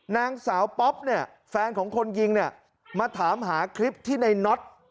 นางสาวป๊อปเนี่ยแฟนของคนยิงเนี่ยมาถามหาคลิปที่ในน็อต